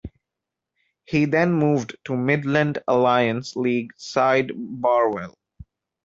He then moved to Midland Alliance league side Barwell.